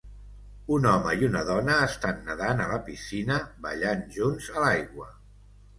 Un home i una dona estan nedant a la piscina ballant junts a l'aigua.